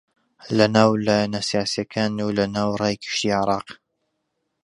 لەناو لایەنە سیاسییەکان و لەناو ڕای گشتی عێراق